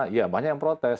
ya banyak yang protes